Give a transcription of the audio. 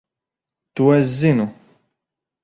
To es zinu.